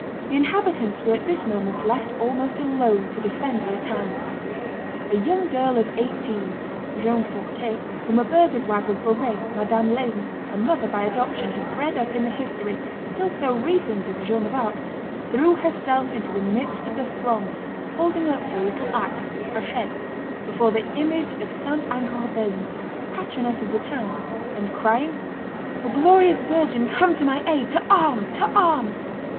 The inhabitants were at this moment left almost alone to defend their town. A young girl of eighteen, Joan Fourquet, whom a burgher's wife of Beauvais, Madame Laisne, her mother by adoption, had bred up in the history, still so recent, of Joan of Arc, threw herself into the midst of the throng, holding up her little axe (hachette) before the image of St. Angadresme, patroness of the town, and crying, "O glorious virgin, come to my aid; to arms! to arms!"